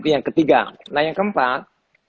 yang ketiga nah yang keempat